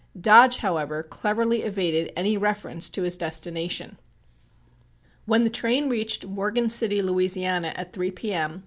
Dodge, however, cleverly evaded any reference to his destination. When the train reached Morgan City, Louisiana, at 3 P.M.